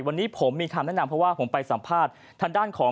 วันนี้ผมมีคำแนะนำเพราะว่าผมไปสัมภาษณ์ทางด้านของ